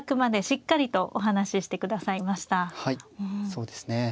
そうですね。